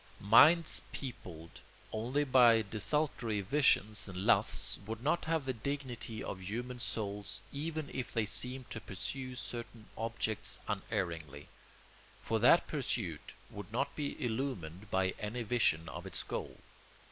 Minds peopled only by desultory visions and lusts would not have the dignity of human souls even if they seemed to pursue certain objects unerringly; for that pursuit would not be illumined by any vision of its goal.